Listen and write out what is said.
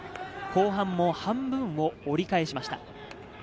後半も半分を折り返しました。